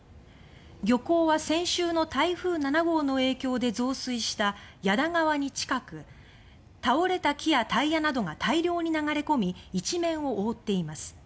漁港は先週の台風７号の影響で増水した矢田川に近く倒れた木やタイヤなどが大量に流れ込み一面を覆っています。